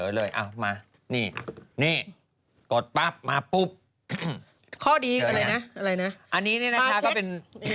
แม่อยากจะปั้งเศกโลโซโอ๊ยใจเย็น